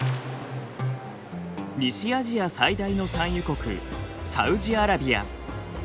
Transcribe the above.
西アジア最大の産油国サウジアラビア。